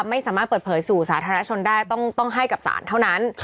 ไม่สามารถเปิดเผยสู่สาธารณชนได้ต้องให้กับศาลเท่านั้น